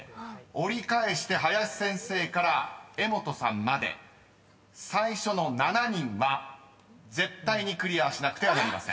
［折り返して林先生から柄本さんまで最初の７人は絶対にクリアしなくてはなりません］